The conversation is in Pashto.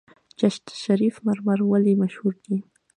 چشت شریف مرمر ولې مشهور دي؟